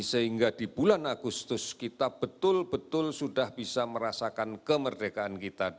sehingga di bulan agustus kita betul betul sudah bisa merasakan kemerdekaan kita